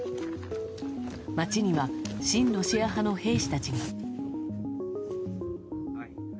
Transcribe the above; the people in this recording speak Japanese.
街には親ロシア派の兵士たちが。